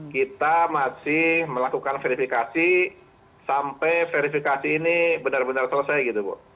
kita masih melakukan verifikasi sampai verifikasi ini benar benar selesai gitu bu